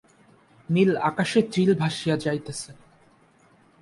নীল আকাশে চিল ভাসিয়া যাইতেছে।